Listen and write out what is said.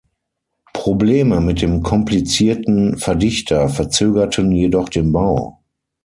Probleme mit dem komplizierten Verdichter verzögerten jedoch den Bau.